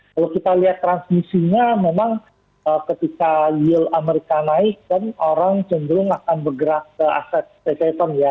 kalau kita lihat transmisinya memang ketika yield amerika naik kan orang cenderung akan bergerak ke aset stay haven ya